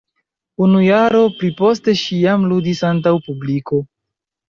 Unu jaro pliposte ŝi jam ludis antaŭ publiko.